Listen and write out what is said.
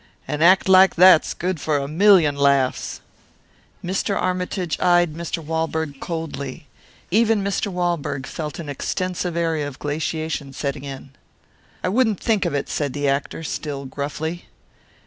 An act like that's good for a million laughs." Mr. Armytage eyed Mr. Walberg coldly. Even Mr. Walberg felt an extensive area of glaciation setting in. "I wouldn't think of it," said the actor, still gruffly.